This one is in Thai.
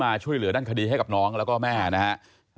ช่วยเหลือด้านคดีให้กับน้องแล้วก็แม่นะครับ